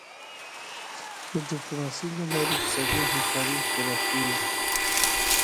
د ډیپلوماسی له لارې اقتصادي همکاري پراخیږي.